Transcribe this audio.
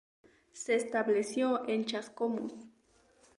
Se estableció en Chascomús.